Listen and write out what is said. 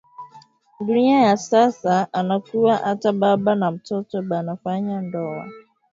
Dunia ya sasa anakuwa ata baba na mtoto bana fanya ndowa